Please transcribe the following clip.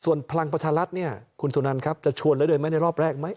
ส่วนพลังประชารัฐเนี่ยคุณสุนันครับจะชวนแล้วเดินไหมในรอบแรกไหม